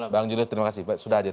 bang julius terima kasih sudah hadir